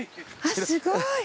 すごい！